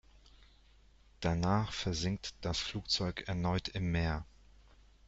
Danach versinkt das Flugzeug erneut im Meer.